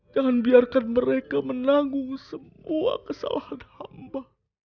jangan biarkan mereka menanggung semua kesalahan hamba